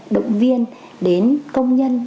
động viên đến công nhân